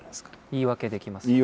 言い訳できますもんね。